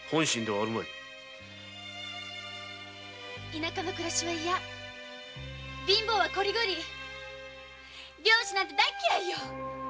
田舎の暮らしは嫌貧乏はコリゴリ漁師なんて大嫌いよ。